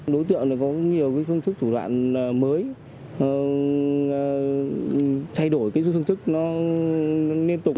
đối tượng có nhiều cái phương thức thủ đoạn mới thay đổi cái phương thức nó liên tục